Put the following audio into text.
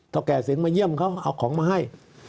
แก่เสียงมาเยี่ยมเขาเอาของมาให้